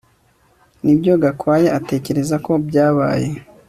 Nibyo Gakwaya atekereza ko byabaye